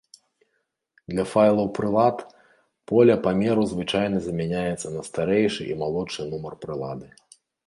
Для файлаў прылад, поле памеру звычайна замяняецца на старэйшы і малодшы нумары прылады.